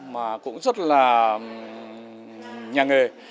mà cũng rất là nhà nghề